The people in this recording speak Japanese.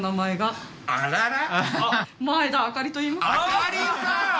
あかりさん！